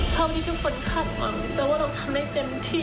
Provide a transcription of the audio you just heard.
เพราะที่ทุกคนคาดมากแต่เราทำให้เต็มที่